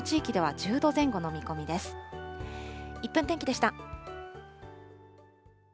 １分天気でした。